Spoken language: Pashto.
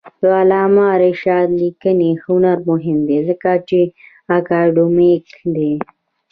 د علامه رشاد لیکنی هنر مهم دی ځکه چې اکاډمیک دی.